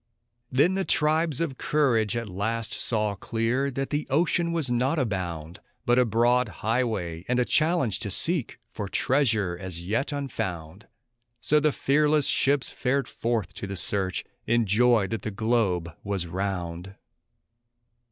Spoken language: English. Then the tribes of courage at last saw clear that the ocean was not a bound, But a broad highway, and a challenge to seek for treasure as yet unfound; So the fearless ships fared forth to the search, in joy that the globe was round.